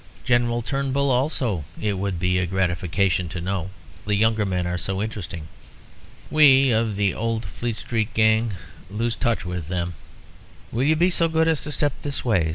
General Turnbull, also, it would be a gratification to know. The younger men are so interesting. We of the old Fleet Street gang lose touch with them." "Will you be so good as to step this way?"